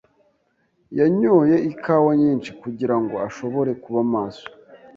yanyoye ikawa nyinshi kugirango ashobore kuba maso.